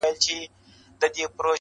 ناپای دردونه دي پر لار ورسره مل زه یم~